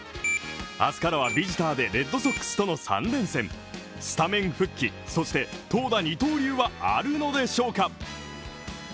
明日からはビジターでレッドソックスとの３連戦、スタメン復帰、そして投打二刀流はあるのでしょうか？